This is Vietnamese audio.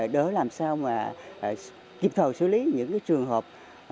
để làm sao mà kịp thời xử lý những trường hợp